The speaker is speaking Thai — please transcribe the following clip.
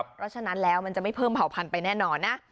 เพราะฉะนั้นแล้วมันจะไม่เพิ่มเผ่าพันธุไปแน่นอนนะ